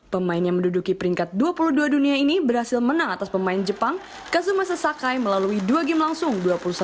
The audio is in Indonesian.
pemain yang menduduki peringkat dua puluh dua dunia ini berhasil menang atas pemain jepang kazumasa sakai melalui dua game langsung dua puluh satu sebelas dua puluh satu sembilan belas